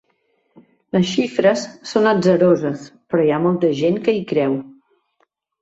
Les xifres són atzaroses, però hi ha molta gent que hi creu.